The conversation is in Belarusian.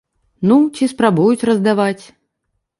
Ну, ці спрабуюць раздаваць.